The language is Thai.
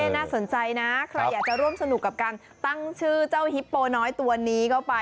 น่าสนใจนะใครอยากจะร่วมสนุกกับการตั้งชื่อเจ้าฮิปโปน้อยตัวนี้เข้าไป